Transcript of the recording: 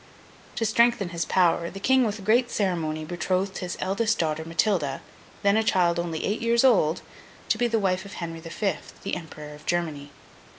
To strengthen his power, the King with great ceremony betrothed his eldest daughter Matilda, then a child only eight years old, to be the wife of Henry the Fifth, the Emperor of Germany.